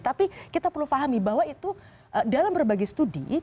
tapi kita perlu pahami bahwa itu dalam berbagai studi